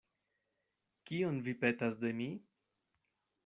Kion vi petas de mi?